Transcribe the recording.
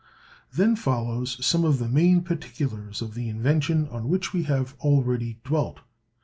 Then follows some of the main particulars of the invention on which we have already dwelt.